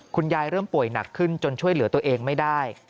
เริ่มป่วยหนักขึ้นจนช่วยเหลือตัวเองไม่ได้